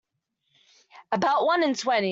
About one in twenty.